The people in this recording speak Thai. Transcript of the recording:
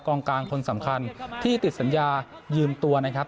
กลางกลางคนสำคัญที่ติดสัญญายืมตัวนะครับ